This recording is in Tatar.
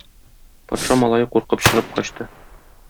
Патша малае куркып чыгып качты.